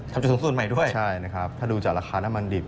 จะสูงสุดใหม่ด้วยใช่นะครับถ้าดูจากราคาน้ำมันดิบ